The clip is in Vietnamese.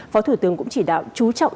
phó thủ tướng cũng chỉ đạo chú trọng